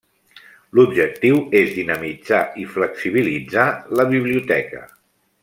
L'objectiu és dinamitzar i flexibilitzar la biblioteca.